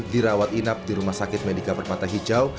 dirawat inap di rumah sakit medika permata hijau